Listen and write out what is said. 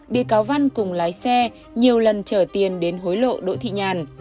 bị cáo văn cùng lái xe nhiều lần trở tiền đến hối lộ đỗ thị nhàn